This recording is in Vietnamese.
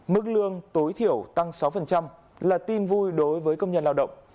mức lương tối thiểu tăng sáu là tin vui đối với công nhân lao động